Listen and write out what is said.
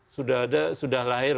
sudah ada sudah lahir